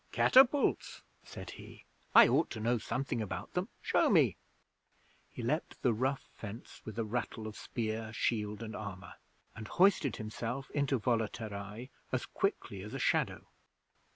'Catapults!' said he. 'I ought to know something about them. Show me!' He leaped the rough fence with a rattle of spear, shield, and armour, and hoisted himself into Volaterrae as quickly as a shadow.